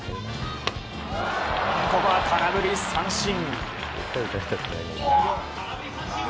ここは空振り三振。